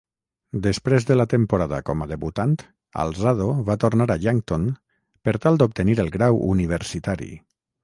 Després de la temporada com a debutant, Alzado va tornar a Yankton per tal d'obtenir el grau universitari.